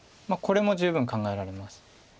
これも十分考えられます。